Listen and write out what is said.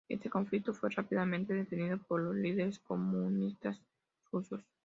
Este conflicto fue rápidamente detenido por los líderes comunistas rusos.